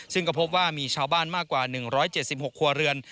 ซึ่งก็พบว่ามีชาวบ้านมากกว่า๑๗๖ครัวเรือน